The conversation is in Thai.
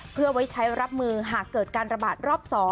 เพื่อไว้ใช้รับมือหากเกิดการระบาดรอบ๒